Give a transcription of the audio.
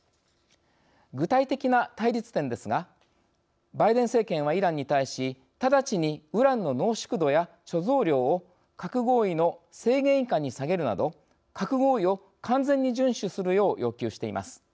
具体的な対立点ですがバイデン政権はイランに対し直ちに、ウランの濃縮度や貯蔵量を核合意の制限以下に下げるなど核合意を完全に順守するよう要求しています。